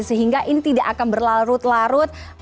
sehingga ini tidak akan berlarut larut